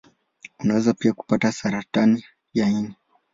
Unaweza pia kupata saratani ya ini.